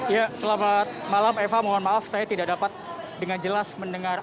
ya selamat malam eva mohon maaf saya tidak dapat dengan jelas mendengar